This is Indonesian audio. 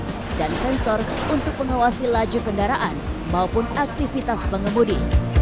kendaraan dan sensor untuk mengawasi laju kendaraan maupun aktivitas pengemudi